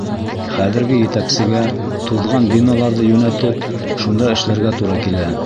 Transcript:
Хәҙерге етәксегә, туҙған биналарҙы йүнәтеп, шунда эшләргә тура килә.